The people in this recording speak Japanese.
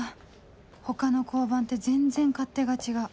他の交番って全然勝手が違う